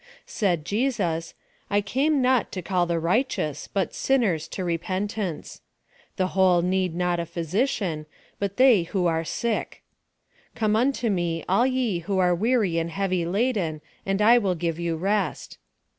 Said Jesus, " I came not to call the righteous, but sinners to repentance." " The whole need not a physian, but they who are sick." " Come unto me, all ye who are weary and heavy laden, and I will give you rest."